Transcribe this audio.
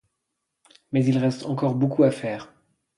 Mais il reste encore beaucoup à faire.